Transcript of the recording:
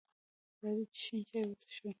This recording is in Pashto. راځئ چې شین چای وڅښو!